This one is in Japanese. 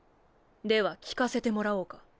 では聞かせてもらおうか。